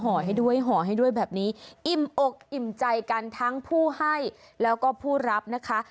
ให้ด้วยห่อให้ด้วยแบบนี้อิ่มอกอิ่มใจกันทั้งผู้ให้แล้วก็ผู้รับนะคะ